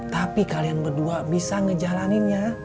tapi kalian berdua bisa ngejalaninnya